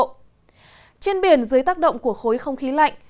trên biển dưới tác động của khối không khí lạnh